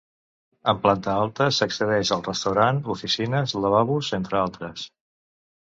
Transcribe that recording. En planta alta s'accedeix al restaurant, oficines, lavabos entre d'altres.